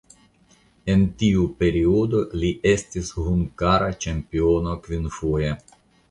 En tiu periodo li estis hungara ĉampiono kvinfoje.